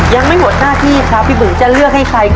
ยังไม่หมดหน้าที่ครับพี่บุ๋มจะเลือกให้ใคร